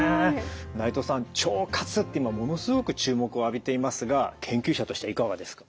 内藤さん腸活って今ものすごく注目を浴びていますが研究者としてはいかがですか？